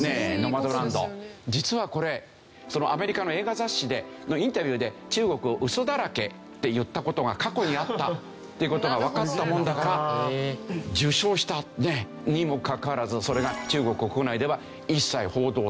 実はこれアメリカの映画雑誌のインタビューで中国を「ウソだらけ」って言った事が過去にあったって事がわかったもんだから受賞したにもかかわらずそれが中国国内では一切報道されない。